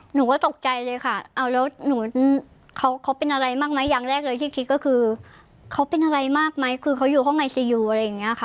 หนูก็ตกใจเลยค่ะเอาแล้วหนูเขาเป็นอะไรมากไหมอย่างแรกเลยที่คิดก็คือเขาเป็นอะไรมากไหมคือเขาอยู่ห้องไอซียูอะไรอย่างนี้ค่ะ